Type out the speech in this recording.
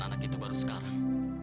anak itu baru sekarang